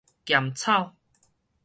鹹草